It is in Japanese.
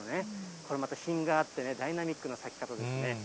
これまた品があってね、ダイナミックな咲き方ですね。